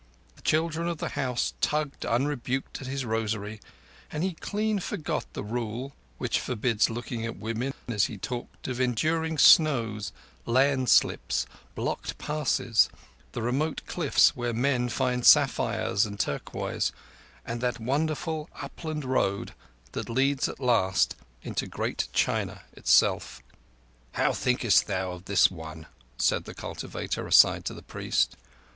The children of the house tugged unrebuked at his rosary; and he clean forgot the Rule which forbids looking at women as he talked of enduring snows, landslips, blocked passes, the remote cliffs where men find sapphires and turquoise, and that wonderful upland road that leads at last into Great China itself. "How thinkest thou of this one?" said the cultivator aside to the priest.